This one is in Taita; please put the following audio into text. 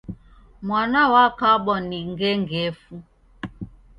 Mwana wakabwa ni ngengefu.